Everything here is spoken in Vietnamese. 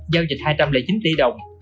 giao dịch hai trăm linh chín tỷ đồng